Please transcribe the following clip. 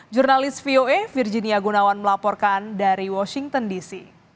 jurnalis voa virginia gunawan melaporkan dari washington dc